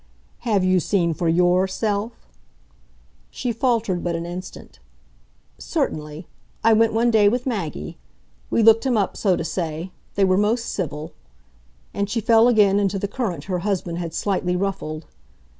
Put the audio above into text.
"Have you seen for YOUR self?" She faltered but an instant. "Certainly I went one day with Maggie. We looked him up, so to say. They were most civil." And she fell again into the current her husband had slightly ruffled.